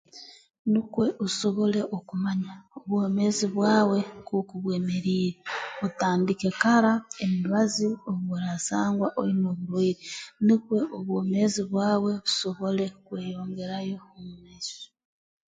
Nukwe osobole okumanya obwomeezi bwawe nk'oku bwemeriire otandike kara emibazi obu oraasangwa oine oburwaire nukwe obwomeezi bwawe busobole okweyongerayo omu maiso